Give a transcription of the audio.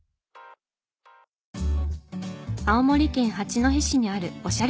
青森県八戸市にあるおしゃれな本屋さん。